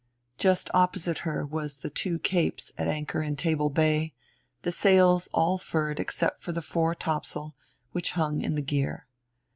Just opposite her was the Two Capes at anchor in Table Bay, the sails all furled except the fore topsail which hung in the gear.